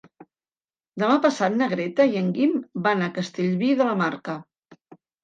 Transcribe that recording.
Demà passat na Greta i en Guim van a Castellví de la Marca.